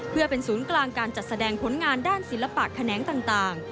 เพื่อเป็นศูนย์กลางการจัดแสดงผลงานด้านศิลปะแขนงต่าง